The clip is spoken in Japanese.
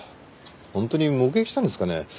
本当に目撃したんですかね？